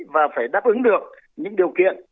và phải đáp ứng được những điều kiện